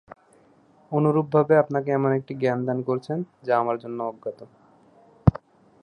অনুরূপভাবে আপনাকে এমন একটি জ্ঞান দান করেছেন যা আমার অজ্ঞাত।